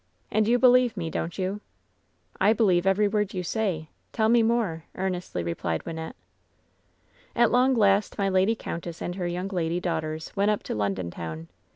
And you believe me, don't you ?" "I believe every word you say — ^tell me more/' ear nestly replied Wynnette. "At long last my lady countess and her young lady daughters went up to London town.